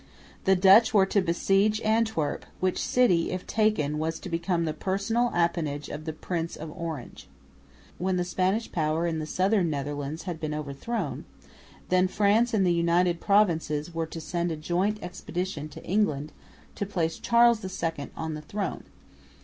The Dutch were to besiege Antwerp, which city, if taken, was to become the personal appanage of the Prince, of Orange. When the Spanish power in the southern Netherlands had been overthrown, then France and the United Provinces were to send a joint expedition to England to place Charles II on the throne.